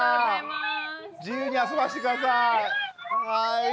自由に遊ばして下さい。